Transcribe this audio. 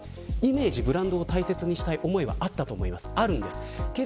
イメージ、ブランドを大切にしたい思いがあったと思います。